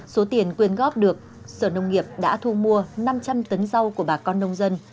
số tiền quyên góp được sở nông nghiệp đã thu mua năm trăm linh tấn rau của bà con nông dân